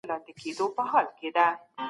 کاردستي د ماشومانو د خوشحالۍ سبب کېږي.